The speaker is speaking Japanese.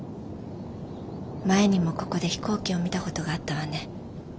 前にもここで飛行機を見た事があったわね。